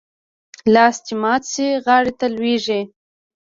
لاس چې مات شي ، غاړي ته لوېږي .